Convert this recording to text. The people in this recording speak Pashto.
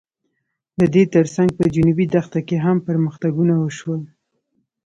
د دې تر څنګ په جنوبي دښته کې هم پرمختګونه وشول.